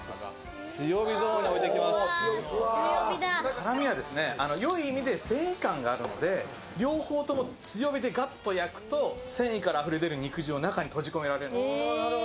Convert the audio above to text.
ハラミはよい意味で繊維感があるので、両方とも強火でガッと焼くと繊維からあふれる肉汁を中に閉じ込められるんです。